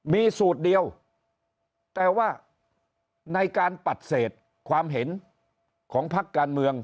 มีสูตรเดียวแต่ว่าในการปฏิเสธความเห็นของพักการเมือง